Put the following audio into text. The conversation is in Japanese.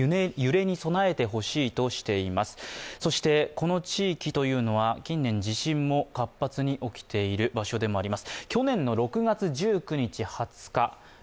この地域というのは近年地震も活発に起きている場所でもあります。